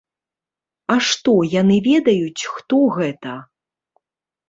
А што, яны ведаюць, хто гэта?